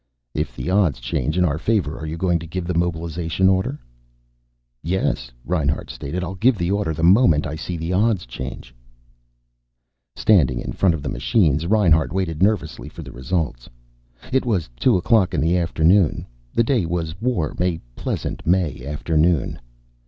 "If the odds change in our favor are you going to give the mobilization order?" "Yes," Reinhart stated. "I'll give the order the moment I see the odds change." Standing in front of the machines, Reinhart waited nervously for the results. It was two o'clock in the afternoon. The day was warm, a pleasant May afternoon.